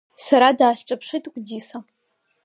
Сара даасҿаԥшит Гәдиса.